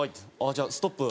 「じゃあストップ」